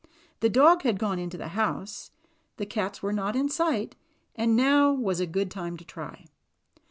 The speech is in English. The dog had gone into the house, the cats were not in sight, and now was a good time to try.